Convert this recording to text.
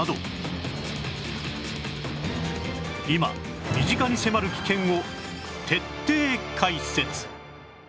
今身近に迫る危険を徹底解説！